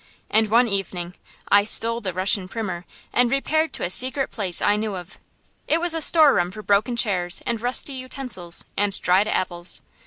And one evening I stole the Russian primer and repaired to a secret place I knew of. It was a storeroom for broken chairs and rusty utensils and dried apples.